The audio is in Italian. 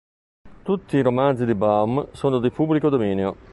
Tutti i romanzi di Baum sono di pubblico dominio.